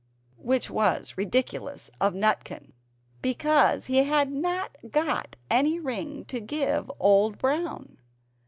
Which was ridiculous of Nutkin, because he had not got any ring to give to Old Brown.